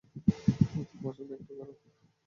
তোর পছন্দ একটু খারাপ।